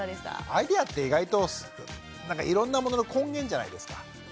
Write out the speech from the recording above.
アイデアって意外といろんなものの根源じゃないですか。